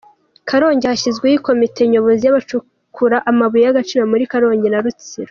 Karongi Hashyizweho komite nyobozi y’abacukura amabuye y’agaciro muri Karongi na Rutsiro